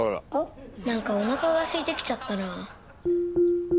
何かおなかがすいてきちゃったなあ。